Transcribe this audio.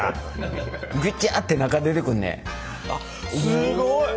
すごい！